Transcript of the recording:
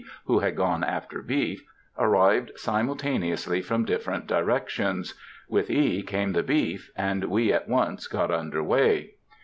who had gone after beef, arrived simultaneously from different directions. With E. came the beef, and we at once got under way.